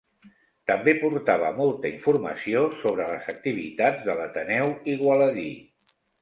També portava molta informació sobre les activitats de l’Ateneu Igualadí.